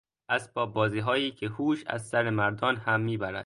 اسباب بازیهایی که هوش از سر مردان هم میبرد